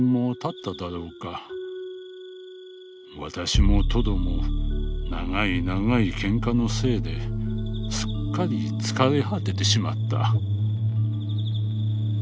私もトドも長い長い喧嘩のせいですっかり疲れ果ててしまった」。